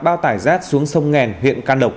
bao tải rác xuống sông nghèn huyện can độc